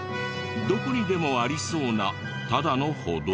どこにでもありそうなただの歩道。